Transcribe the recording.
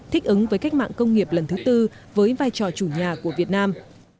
thích ứng với cách mạng công nghiệp lần thứ tư với vai trò chủ nhà của việt nam